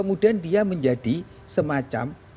untuk menjadi semacam